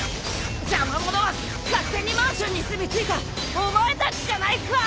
邪魔者は勝手にマンションにすみ着いたお前たちじゃないか！